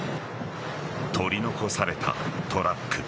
取り残されたトラック。